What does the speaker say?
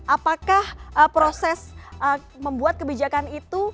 apakah proses membuat kebijakan itu